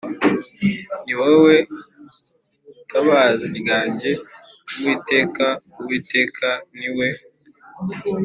Ni wowe tabaza ryanjye Uwiteka Uwiteka ni we